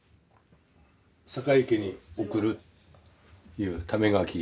坂井家に送るいうため書き。